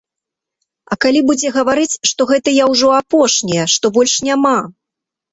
А калі будзе гаварыць, што гэтыя ўжо апошнія, што больш няма?